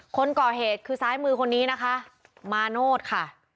คนก่อเหตุคือซ้ายมือคนนี้นะคะมาโนธค่ะ